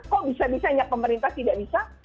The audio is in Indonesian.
kok bisa bisa hanya pemerintah tidak bisa